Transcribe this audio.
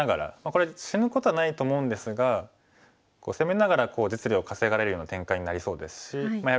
これ死ぬことはないと思うんですが攻めながら実利を稼がれるような展開になりそうですし。